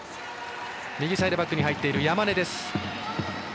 右サイドバックに入っている山根。